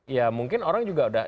ya mungkin orang juga udah